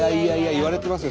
言われてますよ